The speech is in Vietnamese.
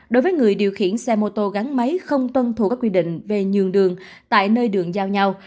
đối với người điều khiển xe mô tô gắn máy không tuân thủ các quy định về nhường đường tại nơi đường giao nhau